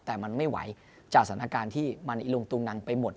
แต่มันไม่ไหวจากสถานการณ์ที่มันอิลุงตุงนังไปหมด